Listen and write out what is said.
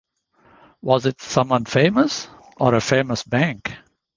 Was it someone famous or a famous bank?